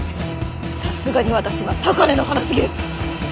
さすがに私は高根の花すぎる！